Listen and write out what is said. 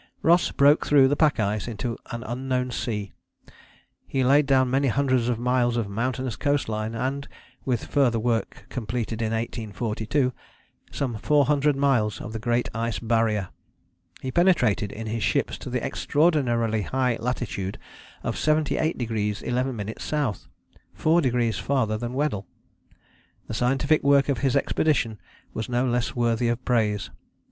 Ross broke through the pack ice into an unknown sea: he laid down many hundreds of miles of mountainous coast line, and (with further work completed in 1842) some 400 miles of the Great Ice Barrier: he penetrated in his ships to the extraordinarily high latitude of 78° 11´ S., four degrees farther than Weddell. The scientific work of his expedition was no less worthy of praise.